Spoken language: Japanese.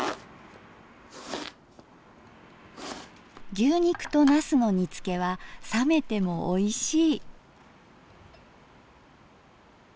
牛肉となすの煮つけは冷めてもおいしい。